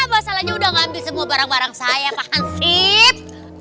masalahnya udah ngambil semua barang barang saya pak hansip